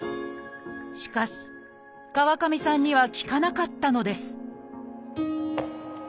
しかし川上さんには効かなかったのです